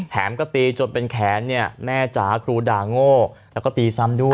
ก็ตีจนเป็นแขนเนี่ยแม่จ๋าครูด่าโง่แล้วก็ตีซ้ำด้วย